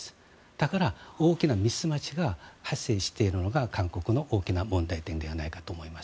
だから大きなミスマッチが発生しているのが韓国の大きな問題点ではないかと思います。